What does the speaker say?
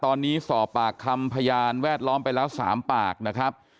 ตอนนี้สอบปากคำพยานแวดล้อมไปแล้ว๓ปากนะครับ